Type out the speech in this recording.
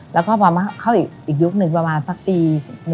แล้วก็พอเข้าอีกยุคนึงประมาณสักปี๑๙๖๐